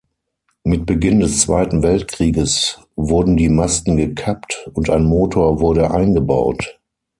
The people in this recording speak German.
Mit Beginn des Zweiten Weltkrieges wurden die Masten gekappt, und ein Motor wurde eingebaut.